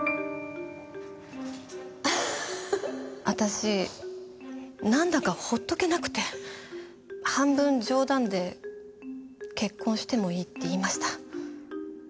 私なんだか放っとけなくて半分冗談で結婚してもいいって言いました。